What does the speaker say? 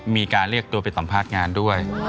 มีการเรียกตัวไปสัมภาษณ์งานด้วย